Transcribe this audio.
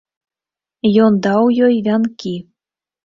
Ён даў ёй вянкі.